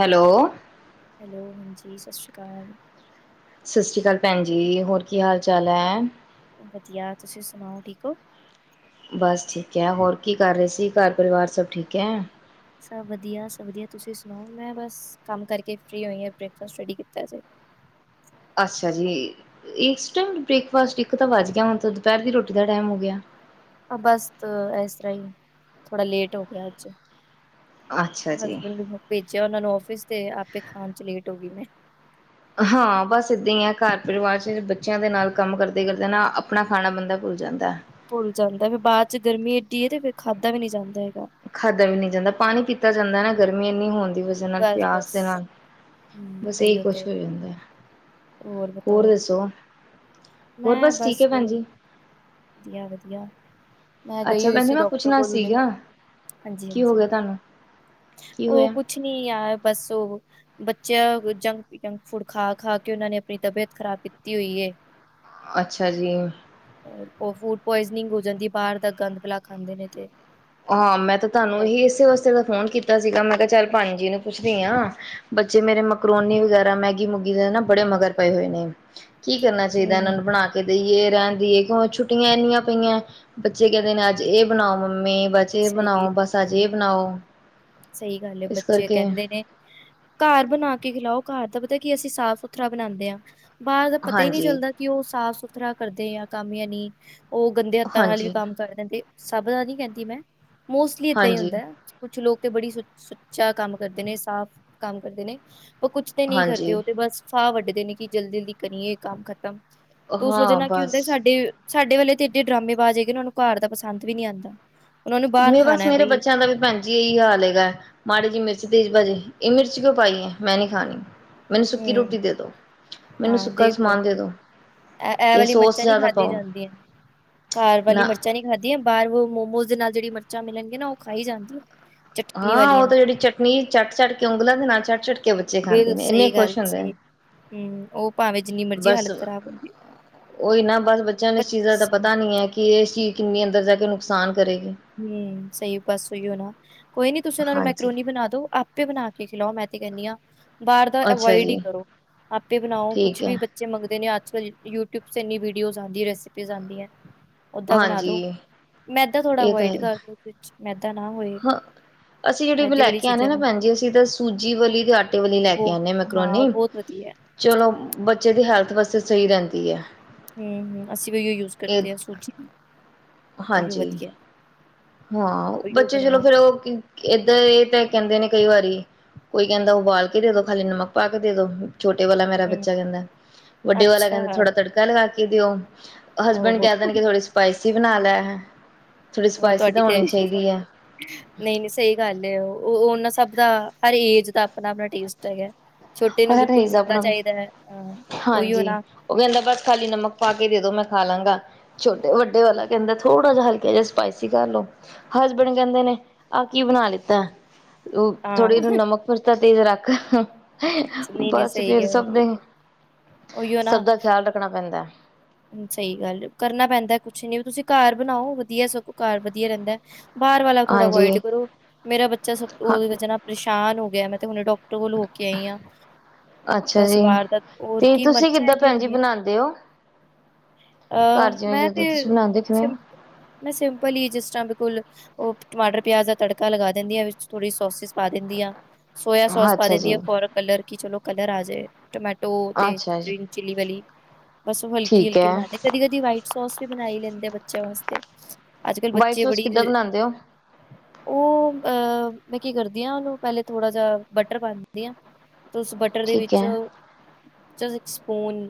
Hello hello ਹਾਂਜੀ, ਸਸ਼ੀਕਾਲ। ਸਸਰੀ ਕਾਲ ਪੈਨਜੀ, ਹੋਰ ਕੀ ਹਾਲ ਚਾਲ ਐ? ਵਦੀਆ, ਤੁਸੀ ਸੁਣਾਓ? ਠੀਕ ਓ? ਬਸ ਠੀਕ ਹੈ, ਹੋਰ ਕੀ ਕਰ ਰਹੇ ਸੀ? ਘਰ ਪਰਿਵਾਰ ਸਭ ਠੀਕ ਹੈ? ਸਭ ਵਧੀਆ ਸਭ ਵਧੀਆ, ਤੁਸੀਂ ਸੁਣਾਓ? ਮੈਂ ਬਸ ਕੰਮ ਕਰਕੇ ਫ੍ਰੀ ਹੋਈ ਹਾਂ, ਬ੍ਰੇਕਫਾਸਟ ਰੈਡੀ ਕੀਤਾ ਸੀ। ਅੱਛਾ ਜੀ, ਇਸ ਟਾਈਮ ਬ੍ਰੇਕਫਾਸਟ, ਇੱਕ ਤਾਂ ਵੱਜ ਗਿਆ ਹੁਣ ਤਾਂ ਦੁਪਹਿਰ ਦੀ ਰੋਟੀ ਦਾ ਟਾਈਮ ਹੋ ਗਿਆ। ਬਸ ਇਸ ਤਰ੍ਹਾਂ ਹੀ, ਥੋੜਾ ਲੇਟ ਹੋ ਗਿਆ ਅੱਜ ਅੱਛਾ ਜੀ, ਹਸਬੈਂਡ ਨੂੰ ਭੇਜਿਆ ਉਹਨਾਂ ਨੂੰ ਆਫਿਸ, ਤੇ ਆਪੇ ਖਾਣ 'ਚੱ ਲੇਟ ਹੋ ਗਈ ਮੈਂ ਹਾਂ ਬਸ ਇਦਾਂ ਹੀ ਹੈ ਘਰ ਪਰਿਵਾਰ 'ਚੱ ਬੱਚਿਆਂ ਦੇ ਨਾਲ ਕੰਮ ਕਰਦੇ ਕਰਦੇ ਨਾ, ਆਪਣਾ ਖਾਣਾ ਬੰਦਾ ਭੁੱਲ ਜਾਂਦਾ ਹੈ। ਭੁੱਲ ਜਾਂਦਾ, ਫਿਰ ਬਾਅਦ 'ਚ ਗਰਮੀਂ ਐਡੀ ਹੈ ਤੇ ਫਿਰ ਖਾਧਾ ਵੀ ਨਹੀਂ ਜਾਂਦਾ ਹੈਗਾ। ਖਾਧਾ ਵੀ ਨਹੀਂ ਜਾਂਦਾ, ਪਾਣੀ ਪੀਤਾ ਜਾਂਦਾ ਨਾ ਗਰਮੀਂ ਇੰਨੀ ਹੋਣ ਦੀ ਵਜਾ ਵਜਾ ਨਾਲ ਬਸ ਪਿਆਸ ਬਸ ਦੇ ਨਾਲ, ਹਮ ਬਸ ਇਹੀ ਉਹੀਓ ਤੇ ਕੁਛ ਹੋ ਜਾਂਦਾ ਹੈ। ਹੋਰ ਦੱਸੋ? ਹੋਰ ਬਸ ਠੀਕ ਹੈ ਭੈਣਜੀ। ਵਧੀਆ- ਵਧੀਆ। ਮੈਂ ਗਈ ਅੱਛਾ ਹੋਈ ਭੈਣ ਜੀ ਸੀ ਮੈਂ ਡਾਕਟਰ ਪੁੱਛਣਾ ਕੋਲ ਹੁਣੇ, ਸੀਗਾ, ਹਾਂਜੀ ਕੀ ਹੋ ਗਿਆ ਹਾਂਜੀ। ਤੁਹਾਨੂੰ? ਕੀ ਉਹ ਹੋਇਆ? ਕੁੱਛ ਨੀ ਯਾਰ, ਬੱਸ ਉਹ ਬੱਚਿਆਂ ਜੰਕ, ਜੰਕ ਫੂਡ ਖਾ ਖਾ ਕੇ ਉਹਨਾਂ ਨੇ ਆਪਣੀ ਤਬੀਅਤ ਖ਼ਰਾਬ ਕੀਤੀ ਹੋਈ ਏ। ਅੱਛਾ ਜੀ। ਉਹ ਫੂਡ ਪੁਆਇਜ਼ਨਿੰਗ ਹੋ ਜਾਂਦੀ, ਬਾਹਰ ਦਾ ਗੰਦ ਬਲਾ ਖਾਂਦੇ ਨੇ ਤੇ ਹਾਂ ਮੈਂ ਤਾਂ ਤੁਹਾਨੂੰ ਇਹੀ ਕਰਕੇ ਇਸੇ ਵਾਸਤੇ ਦਾ ਫੋਨ ਕੀਤਾ ਸੀਗਾ, ਮੈਂ ਕਿਹਾ ਚੱਲ ਭੇਣਜੀ ਨੂੰ ਪੁੱਛਦੀ ਹਾਂ ਬੱਚੇ ਮੇਰੇ ਮਕਰੋਨੀ ਵਗੈਰਾ, ਮੈਗੀ ਮੂਗੀ ਦੇ ਨਾ ਬੜੇ ਮਗਰ ਪਏ ਹੋਏ ਨੇ। ਕੀ ਕਰਨਾ ਚਾਹੀਦਾ ਇਹਨਾਂ ਹੂੰ ਨੂੰ ਬਣਾ ਕੇ ਕਰ ਦੀਏ ਰਹਿਣ ਦੀਏ, ਕਿਉਂ ਛੁੱਟੀਆਂ ਇੰਨੀਆਂ ਪਈਆਂ, ਬੱਚੇ ਕਹਿੰਦੇ ਨੇ ਅੱਜ ਇਹ ਬਣਾਓ ਮੰਮੀ ਬਸ ਇਹ ਸਹੀ ਬਣਾਓ, ਬੱਸ ਅੱਜ ਇਹ ਬਣਾਓ। ਸਹੀ ਗੱਲ ਹੈ, ਇਸ ਬੱਚੇ ਕਰਕੇ ਕਹਿੰਦੇ ਨੇ ਘਰ ਬਣਾ ਕੇ ਖਿਲਾਓ ਘਰ ਦਾ ਪਤਾ ਕੀ, ਅਸੀਂ ਸਾਫ਼ ਸੁੱਥਰਾ ਬਣਾਉਦੇ ਹਾਂ। ਬਾਹਰ ਦਾ ਪਤਾ ਹੀ ਨਹੀਂ ਹਾਂਜੀ, ਚੱਲਦਾ, ਕਿ ਉਹ ਸਾਫ ਸੁੱਥਰਾ ਕਰਦੇ ਆ ਕੰਮ ਯਾਨੀ ਉਹ ਗੰਦੇ ਹੱਥਾਂ ਨਾਲ ਵੀ ਹਾਂਜੀ, ਕੰਮ ਕਰਦੇ, ਸਭ ਦਾ ਨੀ ਕਹਿੰਦੀ ਮੈਂ, ਮੋਸਟਲੀ ਏਦਾਂ ਹੀ ਹਾਂਜੀ, ਹੁੰਦਾ। ਕੁੱਛ ਲੋਕ ਤੇ ਬੜੀ ਸੁੱਚਾ ਕੰਮ ਕਰਦੇ ਨੇ, ਸਾਫ਼ ਕੰਮ ਕਰਦੇ ਨੇ, ਪਰ ਕੁੱਛ ਤੇ ਨਹੀਂ ਕਰਦੇ ਹਾਂਜੀ। ਉਹ ਤੇ ਬਸ ਫਾਹ ਵੱਢਦੇ ਨੇ, ਕਿ ਜਲਦੀ ਜਲਦੀ ਕਰੀਏ ਇਹ ਕੰਮ ਖਤਮ ਤੇ ਉਸ ਵਜਾ ਹਾਂ ਨਾਲ ਕੀ ਹੁੰਦਾ ਬਸ ਸਾਡੇ, ਸਾਡੇ ਵਾਲੇ ਤੇ ਇਡੇ ਡਰਾਮੇ ਬਾਜ਼ ਹੈਗੇ ਉਹਨਾਂ ਨੂੰ ਘਰ ਦਾ ਪਸੰਦ ਵੀ ਨਹੀਂ ਆਂਦਾ। ਮੈਂ ਬਸ ਮੇਰੇ ਬੱਚਿਆਂ ਦਾ ਵੀ ਭੈਣ ਜੀ ਇਹੀ ਹਾਲ ਹੈਗਾ, ਮਾੜੀ ਜੀ ਮਿਰਚ ਤੇਜ ਪੇ ਜਾਏ, ਇਹ ਮਿਰਚ ਕਿਉਂ ਪਾਈ ਹੈ ਮੈਂ ਨੀ ਖਾਣੀ ਮੈਨੂੰ ਸੁੱਕੀ ਹਮ ਰੋਟੀ ਦੇ ਦੋ। ਮੈਨੂੰ ਹਾਂ ਸੁੱਕਾ ਦੇਖ ਲੋ, ਸਮਾਨ ਦੇ ਦੋ ਇਹ ਇਹ ਵਾਲੀ ਸੋਸ ਮਿਰਚਾਂ ਨਹੀਂ ਜ਼ਿਆਦਾ ਖਾਧੀ ਪਾਓ ਜਾਂਦੀਆਂ ਘਰ ਨਾ ਵਾਲੀ ਮਿਰਚਾਂ ਨਹੀਂ ਖਾਦੀਆਂ, ਬਾਹਰ ਮੋਮੋਸ ਦੇ ਨਾਲ ਜਿਹੜੀ ਮਿਰਚਾਂ ਮਿਲਣਗੀਆਂ ਨਾ ਉਹ ਖਾਈ ਜਾਂਦੀਆਂ। ਹਾਂ ਉਹ ਤਾਂ ਜਿਹੜੀ ਚਟਨੀ ਚੱਟ- ਚੱਟ ਕੇ ਉਂਗਲਾਂ ਦੇ ਨਾਲ ਚੱਟ -ਚੱਟ ਕੇ ਬੱਚੇ ਬਿਲ ਖਾਂਦੇ ਨੇ, ਇੰਨੇ ਸਹੀ ਗੱਲ ਖੁਸ਼ ਹੁੰਦੇ ਸਹੀ ਨੇ। ਹਮ, ਉਹ ਭਾਵੇਂ ਜਿੰਨੀ ਮਰਜੀ ਬਸ ਹਾਲਤ ਖ਼ਰਾਬ ਹੁੰਦੀ। ਉਹੀ ਨਾ ਬਸ ਬੱਚਿਆਂ ਨੂੰ ਇਸ ਚੀਜ਼ ਦਾ ਪਤਾ ਨੀ ਹੈ, ਕਿ ਇਹ ਚੀਜ਼ ਕਿੰਨੀ ਅੰਦਰ ਜਾ ਕੇ ਨੁਕਸਾਨ ਕਰੇਗੀ। ਹਮ ਸਹੀ ਬਸ ਉਹੀਓ ਨਾ, ਕੋਈ ਨਹੀਂ ਤੁਸੀਂ ਉਹਨਾਂ ਨੂੰ ਹਾਂਜੀ ਮੈਕਰੋਨੀ ਬਣਾ ਦੋ ਆਪੇ ਬਣਾ ਕੇ ਖਿਲਾਓ ਮੈਂ ਤੇ ਕਹਿੰਦੀ ਹਾਂ, ਬਾਹਰ ਦਾ ਅੱਛਾ ਅਵੋਇਡ ਹੀ ਜੀ ਕਰੋ, ਆਪੇ ਬਣਾਓ ਕੁੱਛ ਠੀਕ ਹੈ ਵੀ ਬੱਚੇ ਮੰਗਦੇ ਨੇ ਅਜ ਕਲ, ਯੂਟਿਊਬ ਤੇ ਇੰਨੀ ਵੀਡੀਓ ਆਂ, ਰੇਸਪਿਜ਼ ਆਂਦੀ ਹੈ। ਓਦਾਂ ਬਣਾ ਹਾਂਜੀ ਦੋ, ਮੈਦਾ ਥੋੜ੍ਹਾ ਇਹ ਤਾਂ ਅਵੋਇਡ ਹੈਗਾ। ਕਰਦੋ, ਵਿੱਚ ਮੈਦਾ ਨਾ ਹੋਏ। ਹਾਂ। ਅਸੀਂ ਜਿਹੜੀ ਵੀ ਮੈਦੇ ਲੈ ਵਾਲੀ ਕੇ ਆਣੇ ਆ ਚੀਜ਼ਾਂ ਨਾ ਨੂੰ ਭੈਣਜੀ ਅਸੀਂ ਤਾਂ ਸੂਜੀ ਵਾਲੀ ਤੇ ਆਟੇ ਵਾਲੀ ਲੈ ਕੇ ਬਹੁ ਆਣੇ ਆ ਹਾਂ ਉਹ ਮੈਕਰੋਨੀ। ਬਹੁਤ ਵਧੀਆ। ਚਲੋ ਬੱਚੇ ਦੀ ਹੈਲਥ ਵਾਸਤੇ ਸਹੀ ਰਹਿੰਦੀ ਐ। ਹੂੰ ਹੂੰ, ਅਸੀਂ ਵੀ ਓਹੀ ਓ ਯੂਜ਼ ਕਰਦੇ ਆ ਸੂਜੀ। ਉਹੀਓ ਹਾਂਜੀ ਵਧੀਆ ਹਾਂ, ਉਹੀਓ ਬੱਚੇ ਚਲੋ ਬਣਾਓ। ਫਿਰ ਓ ਕੀ ਇਧਾ ਇਹ ਤਾਂ ਕਹਿੰਦੇ ਨੇ ਕਈ ਵਾਰੀ ਕੋਈ ਕਹਿੰਦਾ ਉਬਾਲ ਕੇ ਦੇ ਦੋ ਖਾਲੀ ਨਮਕ ਪਾ ਕੇ ਦੇ ਦੋ। ਛੋਟੇ ਵਾਲਾ ਮੇਰਾ ਹੂੰ, ਬੱਚਾ ਕਹਿੰਦਾ ਵੱਡੇ ਵਾਲਾ ਅੱਛਾ ਕਹਿੰਦਾ ਥੋੜਾ ਤੜਕਾ ਲਗਾ ਕੇ ਦਿਓ। ਹਸਬੈਂਡ ਉਹ ਕਹਿ ਦੇਣਗੇ ਕਿ ਥੋੜ੍ਹੀ ਸਪਾਈਸੀ ਬਣਾ ਲੈ। ਥੋੜੀ ਓ ਸਪਾਈਸੀ ਤਾਂ ਤੁਹਾਡੀ ਤੇ। ਹੋਣੀ ਚਾਹੀਦੀ ਹੈ। ਨਈ ਨਈ ਸਹੀ ਗੱਲ ਐ ਓ ਉਹਨਾਂ ਸਭ ਦਾ ਹਰ ਏਜ ਦਾ ਆਪਣਾ ਆਪਣਾ ਟੇਸਟ ਹੈਗਾ। ਛੋਟੇ ਨੂੰ ਹਰ ਬਿਲਕੁਲ ਰਈਜ਼ ਫ਼ਿੱਕਾ ਆਪਣਾ ਚਾਹੀਦਾ ਅ ਓਹੀਓ ਹਾਂਜੀ ਨਾ। ਉਹ ਕਹਿੰਦਾ ਬਸ ਖਾਲੀ ਨਮਕ ਪਾ ਕੇ ਦੇ ਦੋ ਮੈਂ ਖਾ ਲਾਂਗਾ। ਛੋਟੇ ਵੱਡੇ ਵਾਲਾ ਕਹਿੰਦਾ ਥੋੜਾ ਜਾ ਹਲਕਾ ਜਾ ਸਪਾਈਸੀ ਕਰ ਲੋ। ਹਸਬੈਂਡ ਕਹਿੰਦੇ ਨੇ ਆਹ ਕੀ ਬਣਾ ਲਿੱਤਾ। ਓ ਹਾਂ ਥੋੜ੍ਹੀ ਇਹਨੂੰ ਨਮਕ ਮਿਰਚਾਂ ਤੇਜ਼ ਰੱਖ। ਨਹੀਂ-ਨਹੀਂ ਬਸ ਸਹੀ ਫੇਰ ਹੈ ਉਹ ਸਭ ਤੇ ਦੇ ਉਹੀਓ ਨਾ ਸਭ ਦਾ ਖਿਆਲ ਰੱਖਣਾ ਪੈਂਦਾ। ਸਹੀ ਗੱਲ ਕਰਨਾ ਪੈਂਦਾ ਕੁਛ ਨੀ ਤੁਸੀਂ ਘਰ ਬਣਾਓ ਵਧੀਆ ਸਗੋਂ ਘਰ ਵਧੀਆ ਰਹਿੰਦਾ। ਬਾਹਰ ਵਾਲਾ ਥੋੜਾ ਹਾਂਜੀ ਅਵੋਇਡ ਕਰੋ ਮੇਰਾ ਬੱਚਾ ਸਭ ਹਾਂ ਓਹਦੇ ਵਿੱਚ ਪਰੇਸ਼ਾਨ ਹੋ ਗਿਆ, ਮੈਂ ਤੇ ਹੁਣੇ ਡਾਕਟ ਟਰ ਕੋਲ ਹੋ ਕੇ ਆਈ ਆ। ਅੱਛਾ ਬਸ ਜੀ। ਬਾਹਰ ਦਾ ਹੋਰ ਤੇ ਕੀ ਤੁਸੀਂ ਮਿਰਚਾਂ ਕਿੱਦਾਂ ਐਡੀਆਂ ਭੈਣ ਜੀ ਹੁੰਦੀਆਂ। ਬਣਾਉਂਦੇ ਹੋ ਅਹ ਘਰ ਜਿਵੇਂ ਮੈਂ ਜਦੋਂ ਤੇ ਤੁਸੀਂ ਬਣਾਉਂਦੇ ਹੋ ਕਿਵੇਂ? ਸਿੰਪ ਮੈਂ ਸਿੰਪਲ ਈ ਜਿਸ ਤਰ੍ਹਾਂ ਬਿਲਕੁਲ ਓ ਟਮਾਟਰ ਪਿਆਜ ਦਾ ਤੜਕਾ ਲਗਾ ਦਿੰਦੀ ਆ, ਵਿੱਚ ਥੋੜ੍ਹੀ ਸੋਸਿਸ ਪਾ ਦਿੰਦੀ ਆ। ਸੋਇਆ ਸੋਸ ਪਾ ਅੱਛਾ ਦਿੰਦੀ ਜੀ ਆ ਫੋਰ ਕਲਰ ਕੀ ਚਲੋ ਕਲਰ ਆਜੇ। ਟਮੈਟੋ ਤੇ ਅੱਛਾ ਜੀ ਗਰੀਨ ਚਿੱਲੀ ਵਾਲੀ। ਬਸ ਓ ਠੀਕ ਹਲਕੀ-ਹਲਕੀ ਹੈ ਬਣਾਂਦੇ ਕਦੀ-ਕਦੀ ਵਾਈਟ ਸੋਸ ਵੀ ਬਣਾਈ ਲੈਂਦੇ ਆ ਬੱਚਿਆਂ ਵਾਸਤੇ। ਅੱਜ ਕੱਲ੍ਹ ਵਾਈਟ ਬੱਚੇ ਸੋਸ ਬੜੀ ਕਿੱਦਾਂ ਬਣਾਂਦੇ ਓ? ਉਹ ਅਹ ਮੈਂ ਕੀ ਕਰਦੀ ਆ ਉਹਨੂੰ ਪਹਿਲੇ ਥੋੜਾ ਜਾ ਬਟਰ ਪਾ ਦਿੰਦੀ ਆ। ਤੋਂ ਉਸ ਬਟਰ ਦੇ ਠੀਕ ਵਿੱਚ ਹੈ ਇੱਕ ਸਪੂਨ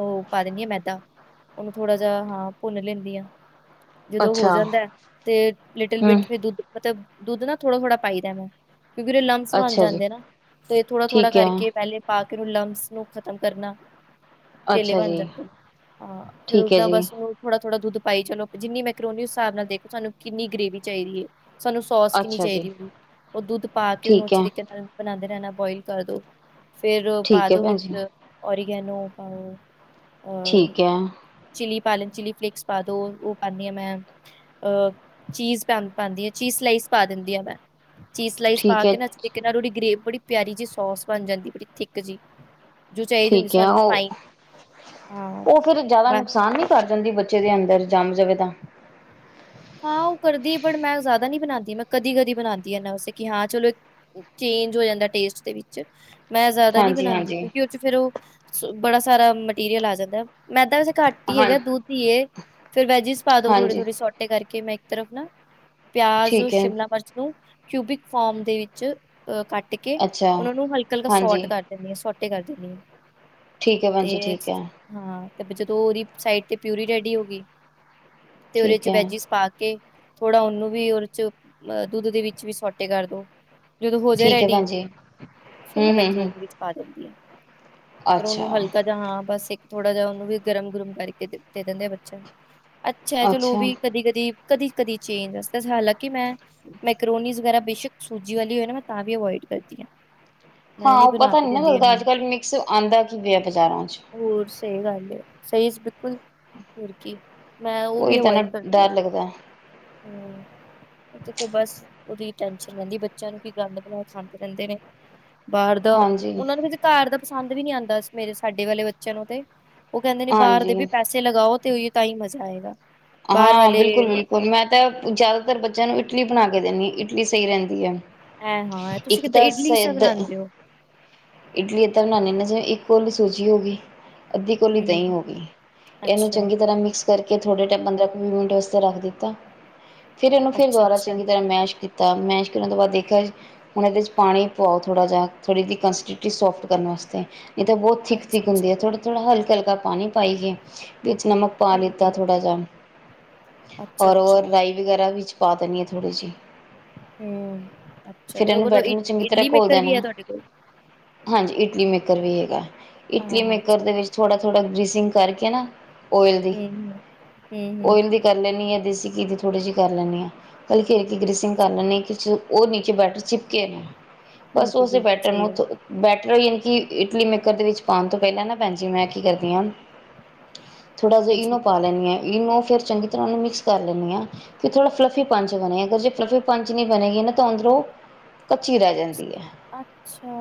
ਓ ਪਾ ਦਿਨੀ ਆ ਮੈਦਾ ਉਹਨੂੰ ਥੋੜਾ ਜਾ ਹਾਂ ਭੁੰਨ ਲੈਂਦੀ ਆ਼। ਜਦੋਂ ਹੋ ਅੱਛਾ ਜਾਂਦਾ ਤੇ ਲਿਟਲ ਹੂੰ, ਬਿਟ ਵੀ ਦੁੱਧ ਮਤਲਬ ਦੁੱਧ ਨਾ ਥੋੜਾ ਥੋੜਾ ਪਾਈ ਦਾ ਵੇ। ਕਿਉਂਕਿ ਓਦੇ ਲੰਮਸ ਬਣ ਅੱਛਾ ਜੀ, ਜਾਂਦੇ ਆ ਨਾ, ਤੇ ਥੋੜਾ- ਥੋੜਾ ਠੀਕ ਐ। ਕਰਕੇ ਪਹਿਲੇ ਪਾ ਕੇ ਉਹਨੂੰ ਲੰਮਸ ਨੂੰ ਖ਼ਤਮ ਕਰਨਾ। ਟੇਲੇ ਅੱਛਾ ਬਣ ਜੀ, ਜਾਂਦੇ ਨੇ ਹਾਂ ਫੇਰ ਠੀਕ ਐ ਓਦਾਂ ਜੀ, ਬਸ ਉਹਨੂੰ ਥੋੜਾ-ਥੋੜਾ ਦੁੱਧ ਪਾਈ ਚਲੋ ਜਿੰਨੀ ਮੈਕਰੋਨੀ ਉਸ ਸਾਬ ਨਾਲ ਦੇਖੋ ਸਾਨੂੰ ਕਿੰਨੀ ਗ੍ਰੇਵੀ ਚਾਹੀਦੀ ਐ। ਸਾਨੂੰ ਸੋਸ ਕਿੰਨੀ ਅੱਛਾ ਜੀ, ਚਾਹੀਦੀ ਉਹਦੀ ਉਹ ਦੁੱਧ ਪਾ ਕੇ ਉਹਨੂੰ ਠੀਕ ਐ। ਅੱਛੇ ਤਰੀਕੇ ਨਾਲ ਬਣਾਂਦੇ ਰਹਿਣਾ ਬੋਇਲ ਕਰ ਦੋ ਫੇਰ ਪਾ ਠੀਕ ਐ ਦੋ ਭੈਣ ਜੀ, ਵਿੱਚ ਓਰੀਗੈਨੋ ਪਾਓ। ਅ ਠੀਕ ਐ। ਚਿੱਲੀ ਪਾਲੋ ਚਿੱਲੀ ਫਲਿਕਸ ਪਾਂਦੋ ਓ ਪਾਨੀ ਆ ਮੈਂ ਅਹ ਚੀਜ਼ ਪ ਪਾਂਦੀ ਆ ਚੀਜ਼ ਸਲਾਈਸ ਪਾ ਦਿੰਦੀ ਆ ਮੈਂ ਚੀਜ਼ ਸਲਾਈਸ ਪਾ ਠੀਕ ਐ, ਕੇ ਨਾ ਤਰੀਕੇ ਨਾਲ ਉਹਦੀ ਗ੍ਰੇਵੀ ਬੜੀ ਪਿਆਰੀ ਜੀ ਸੋਸ ਬਣ ਜਾਂਦੀ ਬੜੀ ਥਿੱਕ ਜੀ। ਜੋ ਚਾਹੀਦੀ ਹੁੰਦੀ ਠੀਕ ਐ ਸਾਨੂੰ ਓ ਫਾਈਨ ਹਾਂ ਓ ਫੇਰ ਜ਼ਿਆਦਾ ਬ ਨੁਕਸਾਨ ਨੀ ਕਰ ਜਾਂਦੀ ਬੱਚੇ ਦੇ ਅੰਦਰ ਜੰਮ ਜਾਵੇ ਤਾਂ। ਹਾਂ ਓ ਕਰਦੀ ਬੱਟ ਮੈਂ ਜ਼ਿਆਦਾ ਨੀ ਬਣਾਂਦੀ, ਮੈਂ ਕਦੀ ਕਦੀ ਬਣਾਂਦੀ ਇਨਾ ਵਾਸਤੇ ਕਿ ਹਾਂ ਚਲੋ। ਚੇਂਜ ਹੋ ਜਾਂਦਾ ਟੇਸਟ ਦੇ ਵਿੱਚ ਮੈਂ ਜ਼ਿਆਦਾ ਨੀ ਬਣਾਂਦੀ ਹਾਂਜੀ-ਹਾਂਜੀ, ਕਿਉਂਕਿ ਉਹ ਚ ਫੇਰ ਉਹ ਬੜਾ ਸਾਰਾ ਮਟੀਰੀਅਲ ਆ ਜਾਂਦਾ ਮੈਦਾਂ ਵੇਸੇ ਘੱਟ ਹੀ ਹਾਂ, ਹੈਗਾ ਦੁੱਧ ਹੀ ਏ ਫਿਰ ਵੈਜਿਸ ਪਾ ਦੋ ਥੋੜੇ ਹਾਂਜੀ ਥੋੜੇ ਸੋਟੇ ਕਰਕੇ ਮੈਂ ਇੱਕ ਤਰਫ ਨਾ ਪਿਆਜ ਠੀਕ ਐ, ਸ਼ਿਮਲਾ ਮਿਰਚ ਨੂੰ ਕਿਊਬਿਕ ਫੋਮ ਦੇ ਵਿੱਚ ਅ ਕੱਟ ਕੇ ਅੱਛਾ। ਉਹਨਾ ਨੂੰ ਹਲਕਾ, ਹਲਕਾ ਸੋਟ ਹਾਂਜੀ, ਕਰ ਸੋਟੇ ਕਰ ਦਿੰਦੀ ਹਾਂ ਠੀਕ ਐ ਭੈਣ ਜੀ, ਤੇ ਠੀਕ ਐ, ਹਾਂ ਤੇ ਜਦੋਂ ਉਹਦੀ ਸਾਈਡ ਤੇ ਪਿਊਰੀ ਰੈਡੀ ਹੋ ਗਈ, ਤੇ ਉਹਦੇ ਠੀਕ ਚ ਐ, ਵੈਜ ਪਾ ਕੇ ਥੋੜਾ ਉਹਨੂੰ ਵੀ ਉਹਦੇ ਚ ਅਹ ਦੁੱਧ ਦੇ ਵਿੱਚ ਵੀ ਸੋਟੇ ਕਰ ਦੋ। ਜਦੋਂ ਹੋ ਜੇ ਠੀਕ ਐ ਰੈਡੀ ਭੈਣ ਜੀ। ਫਿਰ ਹੂੰ-ਹੂੰ-ਹੂੰ, ਮੈਕਰੋਨੀ ਵਿੱਚ ਪਾ ਦਿੰਦੀ ਹਾਂ ਫਿਰ ਅੱਛਾ, ਉਹਨੂੰ ਹਲਕਾ ਜਾਂ ਹਾਂ ਬਸ ਇੱਕ ਥੋੜਾ ਜਿਹਾ ਉਹਨੂੰ ਵੀ ਗਰਮ ਗੁਰਮ ਕਰਕੇ ਦੇ ਦਿੱਤੇ ਆ ਬੱਚਿਆਂ ਨੂੰ ਅੱਛਾ ਚਲੋ ਉਹ ਵੀ ਕਦੀ, ਕਦੀ, ਕਦੀ, ਕਦੀ ਚੇਂਜ ਹਾਲਾਂਕਿ ਮੈਂ ਮੈਕਰੋਨੀ ਵਰਾ ਬੇਸ਼ਕ ਸੂਜੀ ਵਾਲੀ ਹੋ ਨਾ ਮੈਂ ਵੀ ਅਵਇਡ ਕਰਦੀ ਹਾਂ। ਹਾਂ ਮੈਂ ਉਹ ਬਣਾ ਪਤਾ ਕੇ ਨੀ ਦਿੰਦੀ ਲੱਗਦਾ ਇਹਨਾਂ ਅੱਜ ਨੂੰ ਕੱਲ ਮਿਕਸ ਆਉਂਦਾ ਕੀ ਪਿਆ ਬਜ਼ਾਰਾਂ ਚ ਹੋਰ ਸਹੀ ਗੱਲ ਹੈ, ਸਹੀ ਬਿਲਕੁਲ ਹੋਰ ਕੀ ਮੈਂ ਉਹ ਉਹੀ ਵੀ ਤਾਂ ਨਾ ਅਵੋਇਡ ਕਰ ਡਰ ਲੱਗਦਾ ਏ। [inaudible] ਉਹ ਤੇ ਫਿਰ ਬਸ ਉਹਦੀ ਟੈਨਸ਼ਨ ਰਹਿੰਦੀ ਬੱਚਿਆਂ ਨੂੰ ਕੀ ਗੰਦ ਬਣਾ ਕੇ ਖਾਂਦੇ ਰਹਿੰਦੇ ਨੇ ਬਾਹਰ ਦਾ ਹਾਂਜੀ ਉਹਨਾਂ ਨੂੰ ਘਰ ਦਾ ਪਸੰਦ ਵੀ ਨੀ ਆਉਂਦਾ ਮੇਰੇ ਸਾਡੇ ਵਾਲੇ ਬੱਚਿਆਂ ਨੂੰ ਤੇ ਉਹ ਕਹਿੰਦੇ ਨੇ ਬਾਹਰ ਹਾਂਜੀ ਦੇ ਵੀ ਪੈਸੇ ਲਗਾਓ ਤੇ ਉਹੀ ਤਾਂ ਹੀ ਮਜ਼ਾ ਆਏਗਾ ਬਾਹਰ ਹਾਂ ਵਾਲੇ ਬਿਲਕੁਲ ਬਿਲਕੁਲ ਮੈਂ ਤਾਂ ਜ਼ਿਆਦਾਤਰ ਬੱਚਿਆਂ ਨੂੰ ਇਟਲੀ ਬਣਾ ਕੇ ਦਿੰਦੀ ਹਾਂ ਇਟਲੀ ਸਹੀ ਰਹਿੰਦੀ ਹੈ। ਹੈ ਹਾਂ ਤੁਸੀਂ ਇੱਕ ਕਿੱਦਾਂ ਤਾਂ ਇਡਲੀ ਕਿਸ ਤਰ੍ਹਾਂ ਸਇਦ ਬਣਾਉਂਦੇ ਹੋ ਇਡਲੀ ਇੱਦਾਂ ਬਣਾਉਂਦੇ ਹਾਂ ਜਿਵੇਂ ਇੱਕ ਕੋਲੀ ਸੂਜੀ ਹੋ ਗਈ ਅੱਧੀ ਕੋਲੀ ਦਹੀਂ ਹਮ ਹੋ ਗਈ ਇਹਨੂੰ ਅੱਛਾ ਚੰਗੀ ਤਰ੍ਹਾਂ ਮਿਕਸ ਕਰਕੇ ਥੋੜੇ ਪੰਦਰਾਂ ਕੁ ਵੀਹ ਮਿੰਟ ਵਾਸਤੇ ਰੱਖ ਦਿੱਤਾ ਫਿਰ ਇਹਨ ਫਿਰ ਅੱਛਾ ਦੁਬਾਰਾ ਅੱਛਾ ਚੰਗੀ ਤਰ੍ਹਾਂ ਮੈਸ਼ ਕੀਤਾ ਕੀਤਾ ਮੈਸ਼ ਕਰਨ ਤੋਂ ਬਾਅਦ ਦੇਖ ਨਹੀਂ ਹੁਣ ਇਹਦੇ 'ਚ ਪਾਣੀ ਪਾਵਾਓ ਥੋੜਾ ਜਿਹਾ ਥੋੜੀ ਜਦੀ ਕੰਨਸਟੈਂਸੀਟੀ ਸੋਫਟ ਕਰਨ ਵਾਤੇ ਨਹੀਂ ਤਾਂ ਬਹੁਤ ਥਿੱਕ ਅੱਛਾ ਥਿੱਕ ਅੱਛਾ ਹੁੰਦੀ ਆ ਥੋੜਾ ਥੋੜਾ ਹਲਕਾ ਹਲਕਾ ਪਾਣੀ ਪਾਈਏ ਵਿੱਚ ਨਮਕ ਪਾ ਹਮ ਲਿੱਤਾ ਹਮ ਥੋੜਾ ਜਿਹਾ ਅੱਛਾ ਔਰ ਉਹ ਅੱਛਾ ਮਲਾਈ ਵਗੈਰਾ ਵਿੱਚ ਪਾ ਦਿੰਣੀ ਹਾਂ ਥੋੜੀ ਜਿਹੀ ਹਮ ਅੱਛਾ ਸਿੱਟਨ ਕਦੋਂ ਬੈਠਣ ਨੂੰ ਚੰਗੀ ਤਰ੍ਹਾਂ ਇਡਲੀ ਘੋਲ ਮੇਕਰ ਵੀ ਹੈ ਦੇਣਾ ਤੁਹਾਡੇ ਕੋਲ ਹਾਂਜੀ ਇਟਲੀ ਮੇਕਰ ਵੀ ਹੈਗਾ ਇਟਲੀ ਹਾਂ ਹਾਂ ਅੱਛਾ ਮੇਕਰ ਦੇ ਵਿੱਚ ਥੋੜਾ ਥੋੜਾ ਗਰੀਸਿੰਗ ਕਰਕੇ ਨਾ ਓਇਲ ਦੇ ਹਮ ਹਮ ਹਮ ਹਮ ਓਇਲ ਦੀ ਕਰ ਲੈਂਦੀ ਹਾਂ ਦੇਸੀ ਘੀ ਦੀ ਥੋੜੀ ਜਿਹੀ ਕਰ ਲੈਂਦੀ ਹਾਂ ਕਲੀ ਖੇਿਰ ਕੇ ਅੱਛਾ ਗਰੀਸਿੰਗ ਕਰ ਅੱਛਾ ਲੈਂ ਹਾਂ। ਉਹ ਨੀਚੇ ਬੈਟਰ ਚਿਪਕੇ ਨਾ ਬਸ ਬਿਲਕੁਲ ਉਸੇ ਬਿਲਕੁਲ ਬੈਟਰ ਨੂੰ ਸਹੀ ਗੱਲ ਉਥੋਂ ਬੈਟਰ ਹੋਈ ਕਿ ਇਟਲੀ ਮੇਕਰ ਦੇ ਵਿੱਚ ਪਾਉਣ ਤੋਂ ਪਹਿਲਾਂ ਨਾ ਭੈਣ ਜੀ ਮੈਂ ਕੀ ਕਰਦੀ ਹਾਂ। ਥੋੜਾ ਜਹਾ ਜੀ ਇਹਨੂੰ ਪਾ ਲੈਂਦੀ ਹਾਂ ਇਹਨੂੰ ਫਿਰ ਚੰਗੀ ਤਰ੍ਹਾਂ ਉਹਨੂੰ ਮਿਕਸ ਕਰ ਲੈਂਣੀ ਹਾਂ। ਕਿ ਥੋੜਾ ਫਲਫੀ ਪੰਚ ਬਣੇ ਅਗਰ ਜੇ ਫਲਫੀ ਪੰਚ ਨਹੀਂ ਬਣੇਗੀ ਨਾ ਤਾਂ ਅੰਦਰੋਂ ਕੱਚੀ ਰਹਿ ਜਾਂਦੀ ਹੈ। ਅੱਛਾ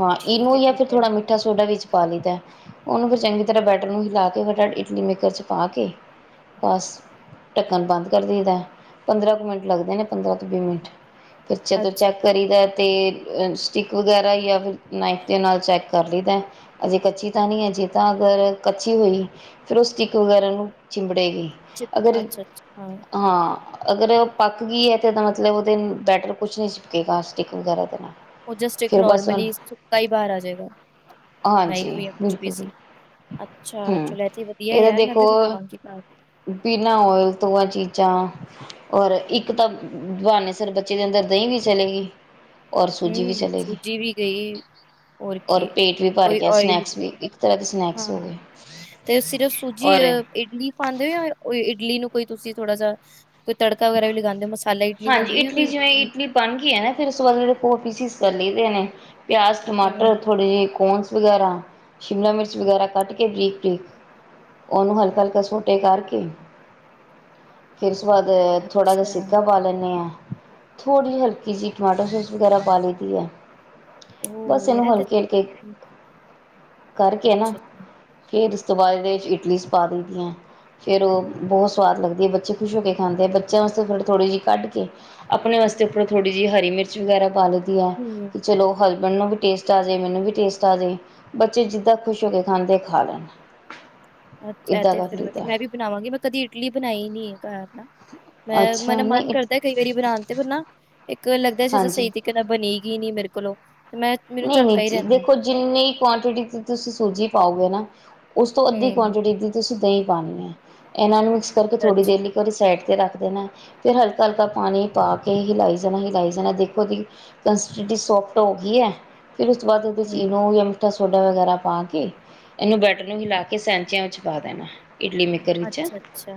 ਹਾਂ ਠੀਕ ਹੈ ਇਨੂੰ ਜਾਂ ਫਿਰ ਠੀਕ ਹੈ। ਥੋੜ੍ਹਾ ਮਿੱਠਾ ਸੋਡਾ ਵਿੱਚ ਪਾ ਲਈਦਾ ਉਹਨੂੰ ਫਿਰ ਚੰਗੀ ਤਰ੍ਹਾਂ ਬੈਟਰ ਨੂੰ ਹਿਲਾ ਕੇ ਫਟਾਟ ਇਟਲੀ ਮਿਕਰ ਚਾ ਪਾ ਕੇ ਬਸ ਢੱਕਣ ਬੰਦ ਕਰ ਦਈਦਾ ਪੰਦਰਾਂ ਕੁ ਮਿੰਟ ਲੱਗਦੇ ਨੇ ਪੰਦਰਾਂ ਤੋਂ ਵੀਹ ਮਿੰਟ ਤੇ ਜਦੋਂ ਚੈੱਕ ਕਰੀ ਦਾ ਤੇ ਸਟਿਕ ਵਗੈਰਾ ਹੀ ਜਾਂ ਫਿਰ ਨਾਈਫ ਦੇ ਨਾਲ ਚੈੱਕ ਕਰ ਲਈਦਾ ਅਜੇ ਕੱਚੀ ਤਾਂ ਨਹੀਂ ਅਜੇ ਤਾਂ ਅਗਰ ਕੱਚੀ ਹੋਈ ਫਿਰ ਉਸ ਦੀ ਵਗੈਰਾ ਨੂੰ ਚਿੰਬੜੇਗੀ ਅਗਰ ਹਾਂ। ਅਗਰ ਉਹ ਪੱਕ ਗਈ ਹੈ ਤਾਂ ਮਤਲਬ ਉਹਦੇ ਬੈਟਰ ਕੁਛ ਨਹੀਂ ਚਿਪਕੇਗਾ ਪਲਾਸਟਿਕ ਵਗੈਰਾ ਨਾਲ ਉਹ ਜਸਟ ਇੱਕ ਫਿਰ ਬਸ ਹੁਣ ਨੋਰਮਲੀ, ਸੁਤਾ ਈ ਬਾਹਰ ਆਜੇਗਾ। ਨਹੀਂ ਹਾਂਜੀ ਫੀ ਆ ਕੁਛ ਵੀ ਬਿਲਕੁਲ ਸੀ, ਬਿਲਕੁਲ ਅੱਛਾ ਹੂੰ ਚਲ ਐ ਤੇ ਵਧੀਆ ਇਹ ਤਾਂ ਯਾਰ, ਮੈਂ ਵੀ ਦੇਖੋ ਬਣਾਵਾਂਗੀ ਘਰ। ਬਿਨਾਂ ਓਇਲ ਤੋ ਐ ਚੀਜ਼ਾਂ ਔਰ, ਇੱਕ ਤਾਂ ਬਹਾਨੇ ਸਿਰ ਬੱਚੇ ਦੇ ਅੰਦਰ ਦਹੀਂ ਵੀ ਚਲੇਗੀ। ਔਰ, ਸੂਜੀ ਵੀ ਚਲੇਗੀ। ਔਰ ਪੇਟ ਵੀ ਭਰ ਕੋਈ ਗਿਆ, ਆਇਲ ਸਨੈਕਸ ਵੀ ਇੱਕ ਤਰ੍ਹਾਂ ਦੇ ਸਨੈਕਸ ਹੋ ਹਾਂ, ਗਏ। ਤੇ ਸਿਰਫ ਸੂਜੀ ਔਰ ਅ ਇਡਲੀ ਖਾਂਦੇ ਹੋ, ਜਾਂ ਇਡਲੀ ਨੂੰ ਕੋਈ ਤੁਸੀਂ ਥੋੜਾ ਜਿਹਾ ਕੋਈ ਤੜਕਾ ਵਗੈਰਾ ਵੀ ਲਗਾਂਦੇ, ਮਸਾਲੇ ਇਡਲੀ ਹਾਂਜੀ ਲਿਆਦੇਂ ਜਾਂ ਇਡਲੀ ਕੋਈ ਜਿਵੇਂ ਇਡਲੀ ਬਣ ਗਈ ਐ ਨਾ, ਫਿਰ ਉਸ ਤੋਂ ਬਾਅਦ ਫਿਰ ਉਹ ਪੀਸਿਸ ਕਰ ਲਈਦੇ ਨੇ, ਪਿਆਜ, ਹੁੰ, ਟਮਾਟਰ, ਥੋੜੇ ਜਿਹੇ ਕੋਨਸ ਵਗੈਰਾ, ਸ਼ਿਮਲਾ ਮਿਰਚ ਵਗੈਰਾ ਕੱਟ ਕੇ, ਬਰੀਕ-ਬਰੀਕ ਉਹਨੂੰ ਹਲਕਾ-ਹਲਕਾ ਸੋਟੇ ਕਰਕੇ, ਫਿਰ ਉਸ ਤੋਂ ਬਾਅਦ ਥੋੜ੍ਹਾ ਜਿਹਾ ਅੱਛਾ, ਸਿਰਕਾ ਪਾ ਲੈਂਨੇ ਆ, ਥੋੜ੍ਹੀ ਜਿ ਹਲਕੀ ਜੀ ਟਮਾਟੋ-ਸੋਸ ਵਗੈਰਾ ਪਾ ਲਈ ਦੀ ਆ। ਓਹ ਬਸ ਯਾਰ ਇਹਨੂੰ ਇਹ ਤੇ ਹਲਕੇ-ਹਲਕੇ, ਹੁੰ, ਕਰਕੇ ਨਾ ਅੱਛਾ, ਅੱਛਾ। ਫੇਰ ਇਸ ਤੋ ਬਾਦ, ਇਹਦੇ 'ਚ ਇਟਲੀ 'ਚ ਪਾ ਦ‌ਈਦੀਆਂ। ਫਿਰ ਉਹ ਬਹੁਤ ਸਵਾਦ ਲਗਦੀ ਏ, ਬੱਚੇ ਖੁਸ਼ ਹੋ ਕੇ ਖਾਂਦੇ। ਬੱਚ ਚਿਆਂ ਵਾਸਤੇ ਥੋੜ੍ਹੀ-ਥੋੜ੍ਹੀ ਜੀ ਕੱਢ ਕੇ, ਆਪਣੇ ਵਾਸਤੇ ਫਿਰ ਥੋੜ੍ਹੀ ਜੀ ਹਰੀ ਮਿਰਚ ਵਗੈਰਾ ਪਾ ਲਈ ਦੀ ਐ, ਹੁੰ। ਕਿ ਚਲੋ ਹਸਬੈਂਡ ਨੂੰ ਵੀ ਟੇਸਟ ਆਜੇ, ਮੈਨੂੰ ਵੀ ਟੇਸਟ ਆਜੇ, ਬੱਚੇ ਜਿੱਦਾਂ ਖੁਸ਼ ਹੋ ਕੇ ਖਾਂਦੇ, ਖਾ ਲੈਣ [inaudible] ਅੱਛ, ਐ ਇੱਦਾਂ ਤੇ ਕਰ ਫਿਰ ਵਧੀ, ਲਈਦਾ ਮੈਂ ਵੀ ਬਣਾਵਾਂਗੀ ਮੈਂ ਕਦੀ ਇਟਲੀ ਬਨਾਂਈ ਨੀ ਏ ਘਰ ਨਾ ਮੈਂ ਅੱਛਾ ਮੈਨਾ ਮਨ ਨਹੀਂ ਕਰਦਾ ਕਈ ਵਾਰੀ ਬਨਾਂਣ ਤੇ ਫਿਰ ਨਾ, ਇੱਕ ਲੱਗਦਾ ਜ-ਜ ਸਹੀ ਹਾਂਜੀ। ਤਰੀਕੇ ਨਾ ਬਨੇਂਗੀ ਨੀ ਮੇਰੇ ਕੋਲ੍ਹੋ। ਤੇ ਮੈਂ, ਮੈਨੂੰ ਨਹੀਂ-ਨਹੀਂ ਝਾਕਾ ਈ ਜੀ ਰਹਿੰਦਾ। ਦੇਖੋ ਜਿੰਨੀ ਕੁਆਂਟਿਟੀ 'ਚ ਤੁਸੀਂ ਸੂਜੀ ਪਾਓਗੇ ਨਾ, ਉਸ ਤੋਂ ਅੱਧੀ ਹੂੰ ਕੁਆਂਟਿਟੀ ਦੀ ਤੁਸੀਂ ਦਹੀਂ ਪਾਂਣੀ ਐ, ਇਹਨਾਂ ਨੂੰ ਮਿਕਸ ਕਰਕੇ ਥੋੜ੍ਹੀ ਅੱਛਾ-ਅੱਛਾ ਦੇਰ ਲੀ ਉਹਨੂੰ ਸਾਈਡ ਤੇ ਰੱਖ ਦੇਣਾਂ, ਫਿਰ ਹਲਕਾ-ਹਲਕਾ ਪਾਣੀ ਪਾ ਕੇ ਹਿਲਾਈ ਜਾਣਾ, ਹਿਲਾਈ ਜਾਣਾ, ਦੇਖੋ ਬੀ ਕੰਸਟਿਡੀ ਸੋਫਟ ਹੋਗੀ ਐ, ਫਿਰ ਉਸ ਤੋਂ ਬਾਅਦ ਉਹਦੇ 'ਚ ਹੂੰ ਈਨੋ ਜਾ ਮਿਠਾ ਸੋ ਸੋਡਾ ਵਗੈਰਾ ਪਾ ਕੇ, ਇਹਨੂੰ ਬੈਟਰ ਨੂੰ ਹਿਲਾ ਕੇ ਸੈਂਚਿਆਂ ਵਿੱਚ ਪਾ ਦੇਣਾ, ਇਡਲੀ ਮਿਕਸ ਗਰਮੀ 'ਚ, ਅੱਛਾ-ਅੱਛਾ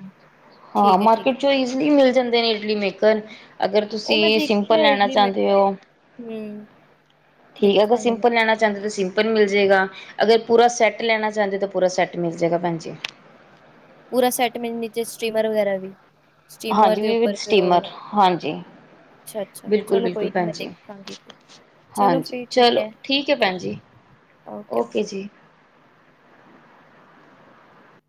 ਹਾਂ ਠੀਕ ਐ-ਠੀਕ ਮਾਰਕਿਟ 'ਚੋ ਐ। ਈਜ਼ਲੀ ਮਿਲ ਜਾਂਦੇ ਨੇ ਇਡਲੀ ਮੇਕਰ ਅਗਰ ਤੁਸੀਂ ਸਿੰਪਲ ਲੈਣਾ ਚਾਂਦੇ ਓ? ਹਮ। ਠੀਕ ਅਗਰ ਸਿੰਪਲ ਲੈਣਾ ਚਾਂਦੇ ਤੁਸੀਂ ਓਪਨ ਮਿਲ ਜੇਗਾ, ਅਗਰ ਪੂਰਾ ਸੈੱਟ ਲੈਣਾ ਚਾਂਦੇ ਤਾਂ ਪੂਰਾ ਸੈੱਟ ਮਿਲ ਜੇਗਾ ਭੈਣ ਜੀ। ਪੂਰਾ ਸੈੱਟ ਮ ਨੀਚੇ ਸਟੀਮਰ ਵਗੈਰਾ ਵੀ, ਸਟੀਮਰ ਹਾਂਜੀ ਦੇ ਵੀ ਵਿਦ ਉੱਪਰ ਫਿਰ ਸਟੀਮਰ ਉਹ ਹਾਂਜੀ ਅੱਛਾ-ਅੱਛਾ ਬਿਲਕੁਲ ਚਲੋ ਬਿਲਕੁਲ ਕੋਈ ਨੀ, ਭੈਣ ਮੈਂ ਜੀ ਦੇਖਾਂਗੀ ਫਿਰ। ਚਲੋ ਹਾਂਜੀ ਫਿਰ ਠੀਕ ਚਲੋ, ਐ ਠੀਕ ਏ ਭੈਣ ਓਕੇ-ਓਕੇ ਜੀ, ਓਕੇ ਜੀ।